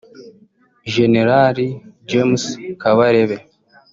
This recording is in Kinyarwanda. Jenerali James Kabarebe